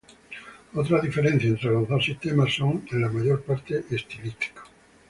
Otras diferencias entre los dos sistemas son en la mayor parte estilísticos.